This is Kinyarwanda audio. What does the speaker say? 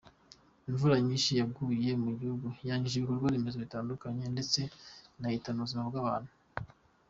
Imvura nyinshi yaguye mu gihugu yangije ibikorwaremezo bitandukanye ndetse inahitana ubuzima bw’abantu.